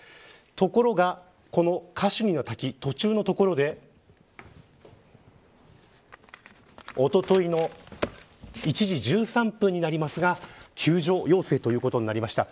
ところが、このカシュニの滝途中の所でおとといの１時１３分になりますが救助要請ということになりました。